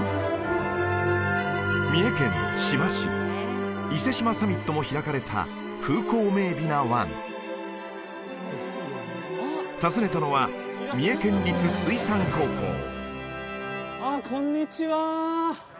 三重県志摩市伊勢志摩サミットも開かれた風光明媚な湾訪ねたのはこんにちはこんにちは